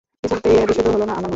কিছুতে বিশুদ্ধ হল না আমার মন!